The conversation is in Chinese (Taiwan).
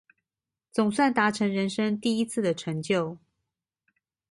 總算達成人生第一次的成就